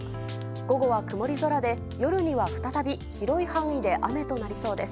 午後は曇り空で、夜には再び広い範囲で雨となりそうです。